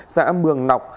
xã mường nọc